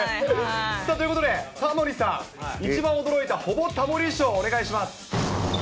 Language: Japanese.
ということで、タモリさん、一番驚いた、ほぼタモリ賞、お願いします。